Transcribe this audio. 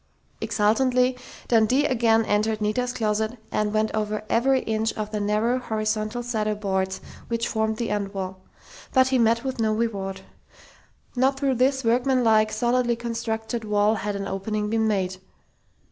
Exultantly, Dundee again entered Nita's closet and went over every inch of the narrow, horizontal cedar boards, which formed the end wall. But he met with no reward. Not through this workmanlike, solidly constructed wall had an opening been made....